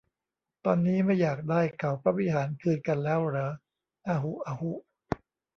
ตอนนี้ไม่อยากได้เขาพระวิหารคืนกันแล้วเหรอ อะหุ อะหุ